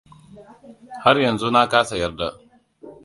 Har yanzu na kasa yarda.